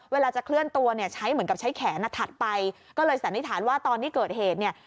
เวลาจะเคลื่อนตัวเนี่ยใช้เหมือนกับใช้แขนอ่ะถัดไปก็เลยสันนิษฐานว่าตอนที่เกิดเหตุเนี่ย